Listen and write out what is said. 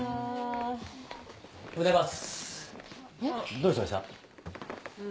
どうしました？